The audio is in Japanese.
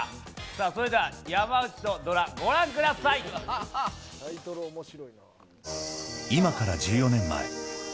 それでは、山内とドラ、ご覧くだ今から１４年前。